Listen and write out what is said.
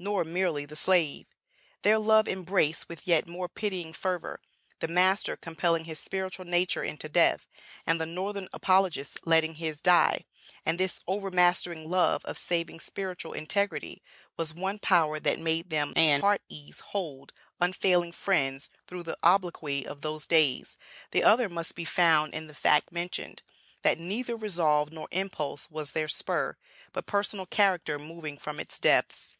Nor merely the slave. Their love embraced, with yet more pitying fervor, the master compelling his spiritual nature into death, and the northern apologist letting his die; and this overmastering love of saving spiritual integrity, was one power that made them and heart ease hold unfailing friends through the obloquy of those days; the other must be found in the fact mentioned, that neither resolve nor impulse was their spur, but personal character moving from its depths.